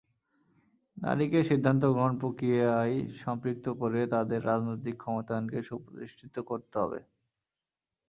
নারীকে সিদ্ধান্ত গ্রহণ প্রক্রিয়ায় সম্পৃক্ত করে তাদের রাজনৈতিক ক্ষমতায়নকে সুপ্রতিষ্ঠিত করতে হবে।